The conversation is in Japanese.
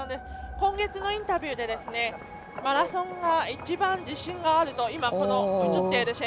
今月のインタビューでマラソンが一番自信があると。